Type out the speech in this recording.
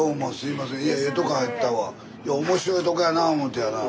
いや面白いとこやな思てやな。